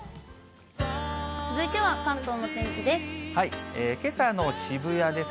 続いては関東のお天気です。